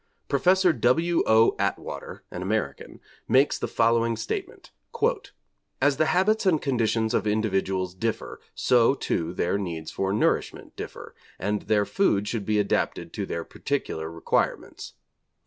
Professor W. O. Atwater, an American, makes the following statement: 'As the habits and conditions of individuals differ, so, too, their needs for nourishment differ, and their food should be adapted to their particular requirements.